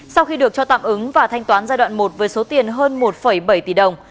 sau khi được cho tạm ứng và thanh toán giai đoạn một với số tiền hơn một bảy tỷ đồng